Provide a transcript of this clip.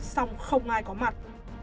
xong không ai có mặt